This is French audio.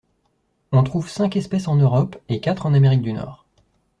On trouve cinq espèces en Europe et quatre en Amérique du Nord.